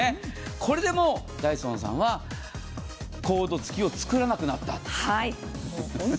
これでもうダイソンさんはコード付きをつくらなくなった。